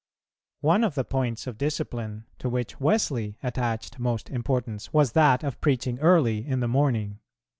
One of the points of discipline to which Wesley attached most importance was that of preaching early in the morning.